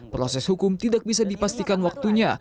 proses hukum tidak bisa dipastikan waktunya